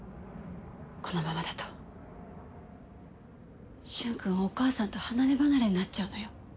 このままだと駿君はお母さんと離ればなれになっちゃうのよ。